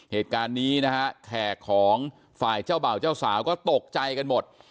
เหตุการณ์นี้นะฮะแขกของฝ่ายเจ้าบ่าวเจ้าสาวก็ตกใจกันหมด